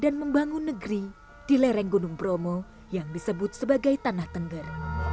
dan juga membangun negeri di lereng gunung bromo yang disebut sebagai tanah tengger